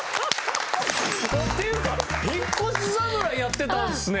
っていうか引越し侍やってたんですね！